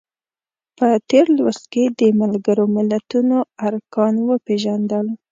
په تېر لوست کې د ملګرو ملتونو ارکان وپیژندل.